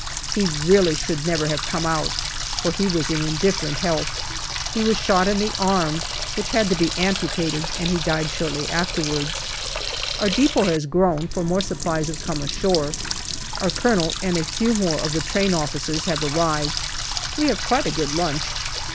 He really should never have come out, for he was in indifferent health. He was shot in the arm, which had to be amputated, and he died shortly afterwards. Our depot has grown, for more supplies have come ashore. Our Colonel and a few more of the train officers have arrived. We have quite a good lunch.